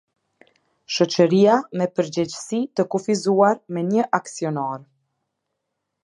Shoqëria me Përgjegjësi të Kufizuar me një Aksionar.